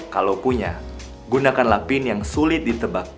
kalau punya gunakanlah pin yang sulit ditebak